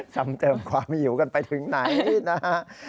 จำเติมความหิวกันไปถึงไหนนะฮะ